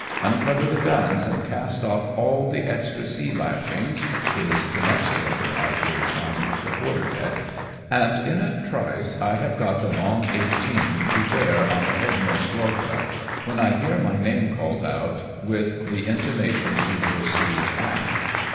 "^ Uncover the guns and cast off all the extra sea lashings," is the next order I hear from the quarter deck, and in a trice I have got the long eighteen to bear on the headmost lorcha^ when I hear my name called out, with the intimation to proceed aft.